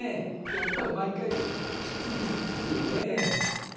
やっぱり毎回きついっすよね？